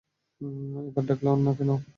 একবার ডাককলোও না।